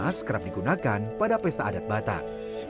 arsik ikan mas kerap digunakan pada pesta adat batak